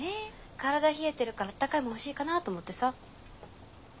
体冷えてるからあったかいものが欲しいかなぁと思ってさ。